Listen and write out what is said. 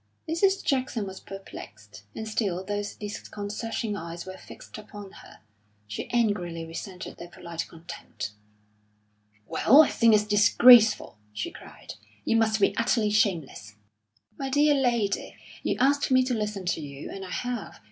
Mrs. Jackson was perplexed, and still those disconcerting eyes were fixed upon her; she angrily resented their polite contempt. "Well, I think it's disgraceful!" she cried. "You must be utterly shameless!" "My dear lady, you asked me to listen to you, and I have.